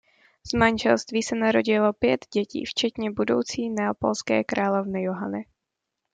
Z manželství se narodilo pět dětí včetně budoucí neapolské královny Johany.